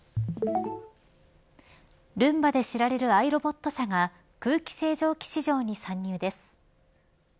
ルンバで知られるアイロボット社が空気清浄機市場に参入です。